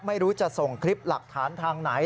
ไม่รู้จะส่งคลิปหลักฐานทางไหน